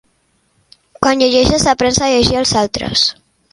Quan llegeixes, aprens a llegir els altres.